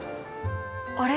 あれ？